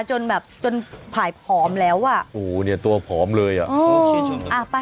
จนแบบจนหายผอมแล้วอู๋เนี้ยตัวผอมเลยอ้ออ่าไป